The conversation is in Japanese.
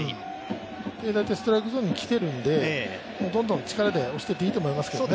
大体ストライクゾーンにきてるんでどんどん力で押していっていいと思いますね。